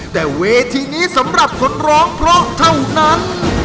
แต่เวทีนี้สำหรับคนร้องเพราะเท่านั้น